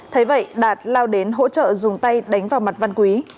thế vậy đạt lao đến hỗ trợ dùng tay đánh vào mặt văn quý